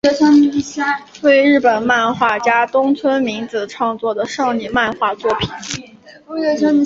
为日本漫画家东村明子创作的少女漫画作品。